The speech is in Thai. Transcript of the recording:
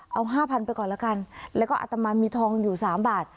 เอา๕๐๐๐ไปก่อนละกันแล้วก็อัตมามีทองอยู่๓บาท